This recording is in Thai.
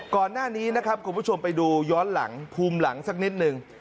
ก่อนหน้านี้นะครับคุณผู้ชมไปดูย้อนหลังภูมิหลังสักนิดนึง